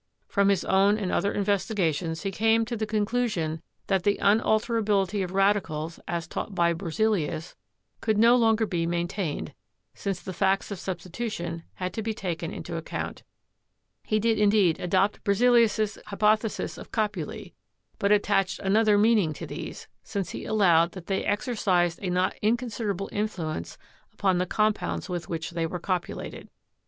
From his own and other investigations he came to the conclusion that the unalterability of radicals, as taught by Berzelius, could no longer be maintained, since the facts of substitution had to be taken into account. He did, in deed, adopt Berzelius' hypothesis of copulae, but attached another meaning to these, since he allowed that they ex ercized a not inconsiderable influence upon the compounds with which they were copulated.